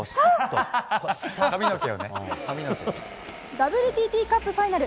ＷＴＴカップファイナル。